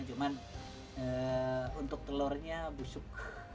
cuman untuk telurnya busuk